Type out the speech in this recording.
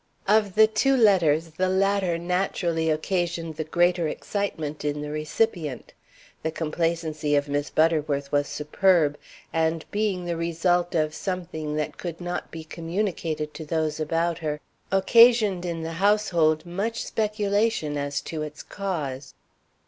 Of the two letters the latter naturally occasioned the greater excitement in the recipient. The complacency of Miss Butterworth was superb, and being the result of something that could not be communicated to those about her, occasioned in the household much speculation as to its cause.